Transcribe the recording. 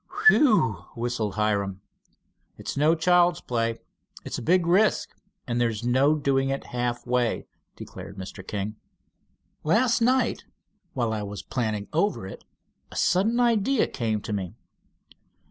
"Whew!" whistled Hiram. "It's no child's play. It's a big risk, and there's no doing it half way," declared Mr. King. "Last night while I was planning over it, a sudden idea came to me.